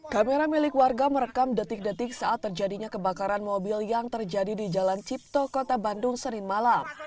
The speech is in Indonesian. kamera milik warga merekam detik detik saat terjadinya kebakaran mobil yang terjadi di jalan cipto kota bandung senin malam